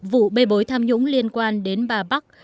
vụ bê bối tham nhũng liên quan đến bà bắc